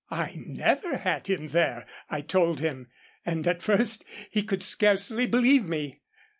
"I never had him there, I told him, and at first he could scarcely believe me.